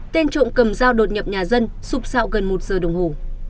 tên trộm cầm dao đột nhập nhà dân sụp sạo gần một giờ đồng hồ